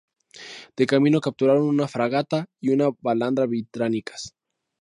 De camino capturaron una fragata y una balandra británicas.